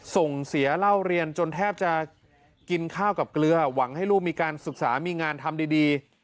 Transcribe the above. ส่งเสียเล่าเรียนจนแทบจะกินข้าวกับเกลือหวังให้ลูกมีการศึกษามีงานทำดี